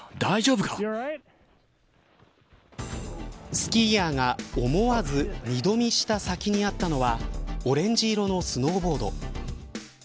スキーヤーが、思わず二度見した先にあったのはオレンジ色のスノーボード。